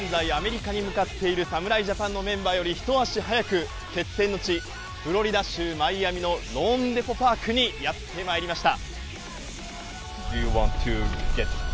現在、アメリカに向かっている侍ジャパンのメンバーより一足早く、決戦の地、フロリダ州マイアミのローンデポ・パークにやってまいりました。